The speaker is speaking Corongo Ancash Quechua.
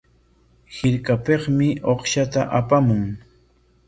Hirkapikmi uqshta apamun.